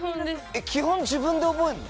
基本自分で覚えるの？